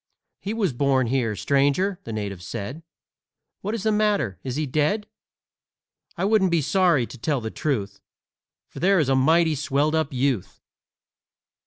"He was born here, stranger," the native said. "What is the matter? Is he dead? I wouldn't be sorry, to tell the truth, For there is a mighty swelled up youth!